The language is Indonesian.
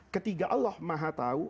ketika allah mahatau